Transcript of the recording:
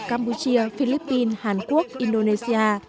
campuchia philippines hàn quốc indonesia